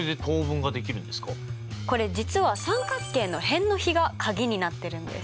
これ実は三角形の辺の比がカギになってるんです！